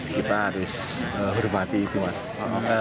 kita harus hormati itu mas